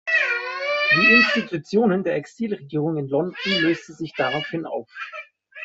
Die Institutionen der Exilregierung in London lösten sich daraufhin auf.